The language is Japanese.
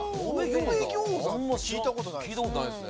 あんま聞いたことないですね。